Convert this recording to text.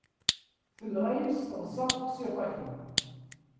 Tenɣa-yi s teḍsa teqṣiṭ-agi!